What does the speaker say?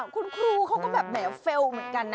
คุณคูครับก็บาร์ฟเฟลเหมือนกันนะ